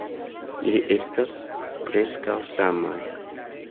Ili estas preskaŭ samaj.